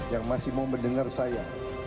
yang masih mau mendengar saya